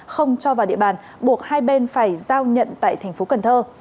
không cho vào địa bàn buộc hai bên phải giao nhận tại thành phố cần thơ